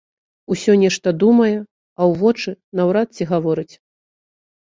Усё нешта думае, а ў вочы наўрад ці гаворыць.